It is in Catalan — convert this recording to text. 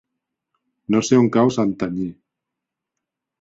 No sé on cau Santanyí.